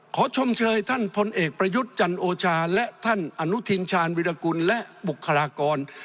ชมเชยท่านพลเอกประยุทธ์จันโอชาและท่านอนุทินชาญวิรากุลและบุคลากร